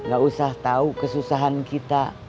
gak usah tahu kesusahan kita